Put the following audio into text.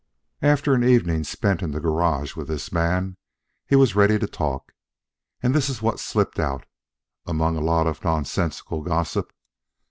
"After an evening spent in the garage with this man, he was ready to talk, and this is what slipped out, among a lot of nonsensical gossip.